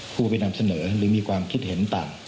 ผู้ไปนำเสนอหรือมีความคิดเห็นต่าง